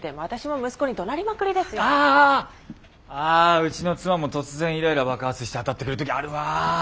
あうちの妻も突然イライラ爆発して当たってくる時あるわ。